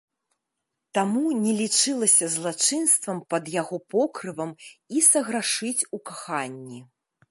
Таму не лічылася злачынствам пад яго покрывам і саграшыць у каханні.